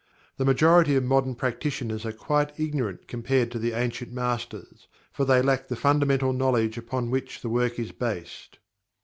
The majority of modern practitioners are quite ignorant compared to the ancient masters, for they lack the fundamental knowledge upon which the work is based.